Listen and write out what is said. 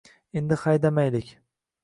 Endi haydamaylik